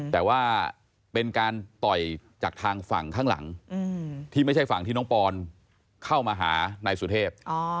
แต่ว่าเป็นการต่อยจากทางฝั่งข้างหลังที่ไม่ใช่ฝั่งที่น้องปอนเข้ามาหานายสุเทพ